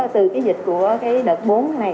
từ cái dịch của cái đợt bốn này